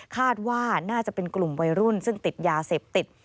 คาดว่าน่าจะเป็นกลุ่มวัยรุ่นซึ่งติดยาเสพติด